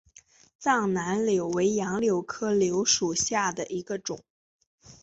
藏南柳为杨柳科柳属下的一个种。